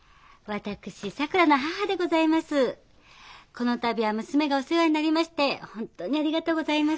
この度は娘がお世話になりまして本当にありがとうございます。